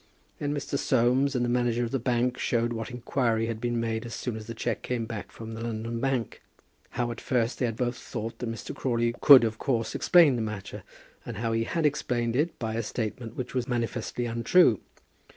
Then Mr. Soames and the manager of the bank showed what inquiry had been made as soon as the cheque came back from the London bank; how at first they had both thought that Mr. Crawley could of course explain the matter, and how he had explained it by a statement which was manifestly untrue.